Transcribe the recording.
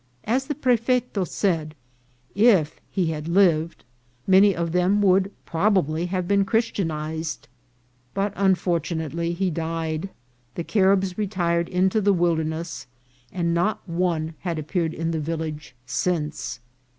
As the prefeto said, if he had lived, many of them would probably have been Chris tianized ; but, unfortunately, he died ; the Caribs re tired into the wilderness, and not one had appeared in the village since.